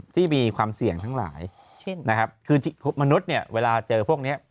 ที่มีความเสี่ยงทั้งหลายเช่นนะครับคือมนุษย์เนี่ยเวลาเจอพวกนี้